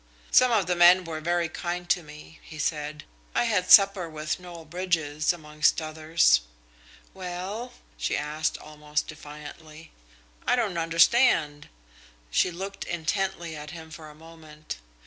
"Some of the men were very kind to me," he said. "I had supper with Noel Bridges, amongst others." "Well?" she asked, almost defiantly. "I don't understand." She looked intently at him for a moment.